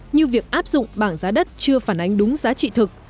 như việc áp dụng bảng giá đất chưa phản ánh đúng giá trị thực